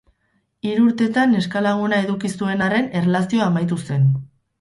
Hiru urtetan neskalaguna eduki zuen arren erlazioa amaitu zen.